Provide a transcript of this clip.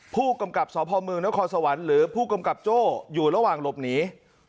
ผู้กำกับสพเมืองนครสวรรค์หรือผู้กำกับโจ้อยู่ระหว่างหลบหนี